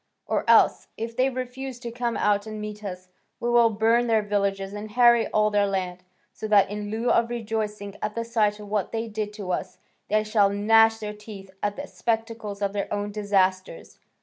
Or else, if they refuse to come out and meet us, we will burn their villages and harry all their land, so that in lieu of rejoicing at the sight of what they did to us, they shall gnash their teeth at the spectacle of their own disasters.